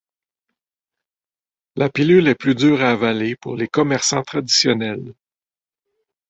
La pilule est plus dure à avaler pour les commerçants traditionnels.